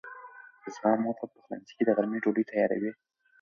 زما مور په پخلنځي کې د غرمې ډوډۍ تیاروي.